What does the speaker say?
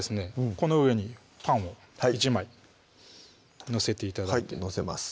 この上にパンを１枚載せて頂いてはい載せます